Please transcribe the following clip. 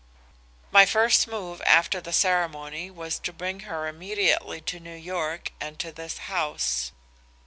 "My first move after the ceremony was to bring her immediately to New York and to this house.